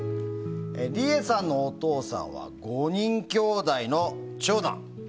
リエさんのお父さんは５人きょうだいの長男。